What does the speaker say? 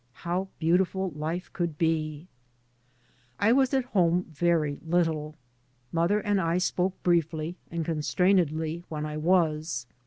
How beautiful life could be I I was at home very little. Mother and 1 spoke briefly and constrainedly when 1 was.